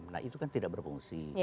nah itu kan tidak berfungsi